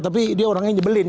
tapi dia orangnya jebelin